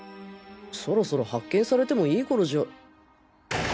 そろそろ発見されてもいい頃じゃ。